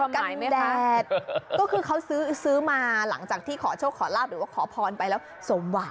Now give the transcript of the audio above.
ก็คือเขาซื้อมาหลังจากที่ขอโชคขอลาภหรือว่าขอพรไปแล้ว